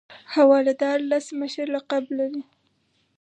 حواله دار لس مشر لقب لري.